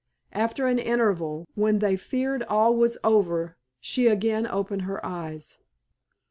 After an interval, when they feared all was over, she again opened her eyes.